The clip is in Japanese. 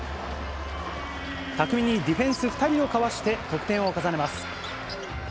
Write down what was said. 巧みにディフェンス２人をかわして得点を重ねます。